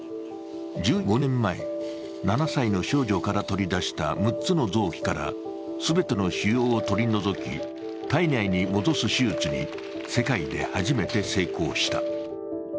１５年前、７歳の少女から取り出した６つの臓器から全ての腫瘍を取り除き、体内に戻す手術に世界で初めて成功した。